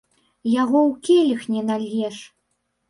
Яго ў келіх не нальеш.